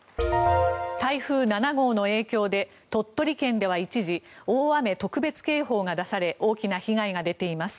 台風７号の影響で鳥取県では一時、大雨特別警報が出され大きな被害が出ています。